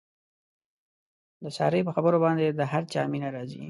د سارې په خبرو باندې د هر چا مینه راځي.